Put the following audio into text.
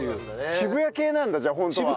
渋谷系なんだじゃあホントは。